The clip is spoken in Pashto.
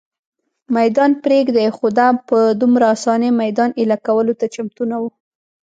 مېدان پرېږدي، خو دا په دومره آسانۍ مېدان اېله کولو ته چمتو نه وه.